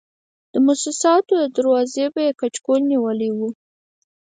د موسساتو دروازې ته به یې کچکول نیولی و.